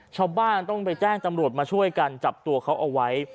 ชาวบ้านต้องไปแจ้งตำรวจมาช่วยกันจับตัวเขาเอาไว้